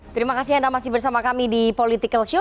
terima kasih anda masih bersama kami di political show